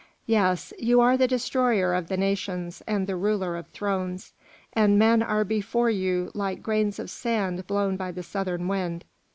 "Yes, you are the destroyer of the nations and the ruler of thrones, and men are before you like grains of sand blown by the southern wind.